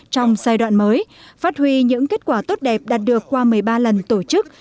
trong giai đoạn mới phát huy những kết quả tốt đẹp đạt được qua một mươi ba lần tổ chức